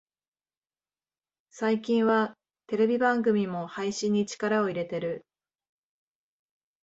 最近はテレビ番組も配信に力を入れてる